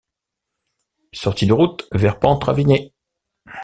Sortie de route vers pente ravinée.